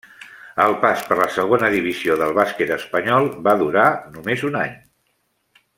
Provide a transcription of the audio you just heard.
El pas per la segona divisió del bàsquet espanyol va durar només un any.